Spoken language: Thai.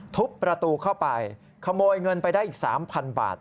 ทุบประตูเข้าไปขโมยเงินไปได้อีก๓๐๐บาท